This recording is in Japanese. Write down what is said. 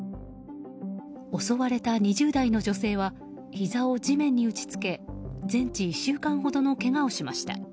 襲われた２０代の女性はひざを地面に打ち付け全治１週間ほどのけがをしました。